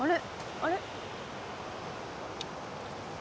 あれ？